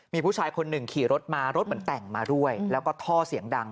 มีผู้ชายคนหนึ่งขี่รถมารถเหมือนแต่งมาด้วยแล้วก็ท่อเสียงดัง